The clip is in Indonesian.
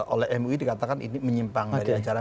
oleh mui dikatakan ini menyimpang dari acara